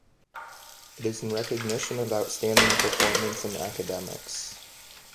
It is in recognition of outstanding performance in academics.